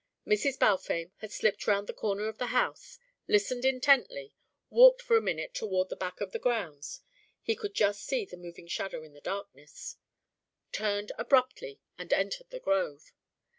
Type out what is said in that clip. Mrs. Balfame had slipped round the corner of the house, listened intently, walked for a minute toward the back of the grounds, he could just see the moving shadow in the darkness, turned abruptly and entered the grove.